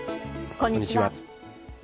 こんにちは。